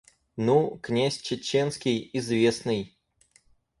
Ну, князь Чеченский, известный.